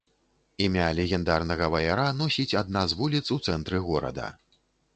Імя легендарнага ваяра носіць адна з вуліц у цэнтры горада.